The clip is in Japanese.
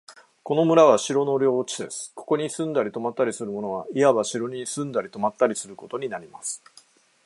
この村は城の領地です。ここに住んだり泊ったりする者は、いわば城に住んだり泊ったりすることになります。